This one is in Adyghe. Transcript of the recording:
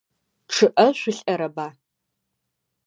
ЧъыӀэ шъулӀэрэба?